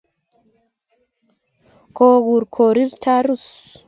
Kokur Korir Tarus.